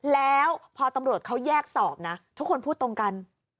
แล้วพอตำรวจเขาแยกสอบนะทุกคนพูดตรงกัน